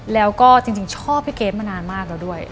แล้วก็จริงชอบพี่เกรทมานานมากแล้วด้วย